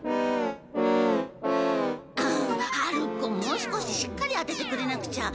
もう少ししっかり当ててくれなくちゃ。